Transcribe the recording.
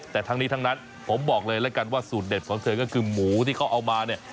แต่ทั้งนี้ทั้งนั้นผมบอกเลยแล้วกันว่าสูตรเด็ดของเธอก็คือหมูที่เขาเอามาเนี่ย